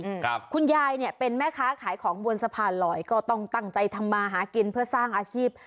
ครับคุณยายเนี้ยเป็นแม่ค้าขายของบนสะพานลอยก็ต้องตั้งใจทำมาหากินเพื่อสร้างอาชีพ